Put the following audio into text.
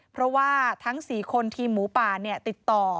เพราะว่าทั้ง๔คนทีมหมูป่าติดต่อ